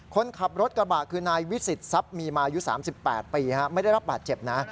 คนขับรถกระบะคือนายวิสิตซับมีมาอยู่สามสิบแปดปีฮะไม่ได้รับบาดเจ็บนะ